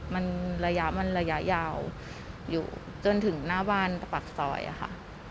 มันระยะมันระยะยาวอยู่จนถึงหน้าบ้านปากซอยอะค่ะ